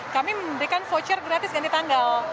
kami memberikan voucher gratis ganti tanggal